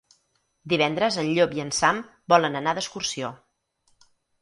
Divendres en Llop i en Sam volen anar d'excursió.